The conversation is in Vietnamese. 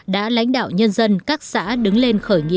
đã lãnh đạo nhân dân các xã đứng lên khỏi đồng chí